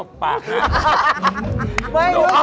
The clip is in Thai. ฮึตกปากน่ะ